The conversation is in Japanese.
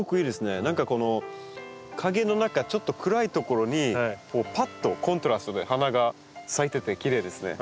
何かこの陰の中ちょっと暗い所にぱっとコントラストで花が咲いててきれいですね。